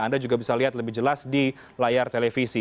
anda juga bisa lihat lebih jelas di layar televisi